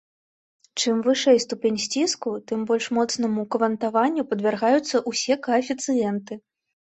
Чым вышэй ступень сціску, тым больш моцнаму квантаванню падвяргаюцца ўсе каэфіцыенты.